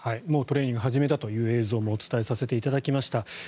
もうトレーニングを始めたという映像も伝えさせていただきました。